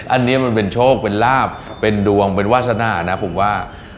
อันนี้มันเป็นโชคเป็นลาบเป็นดวงเป็นวาสนานะผมว่า